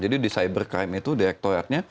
jadi di cybercrime itu direktoratnya